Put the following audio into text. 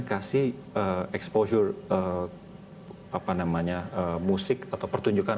kasih exposure musik atau pertunjukan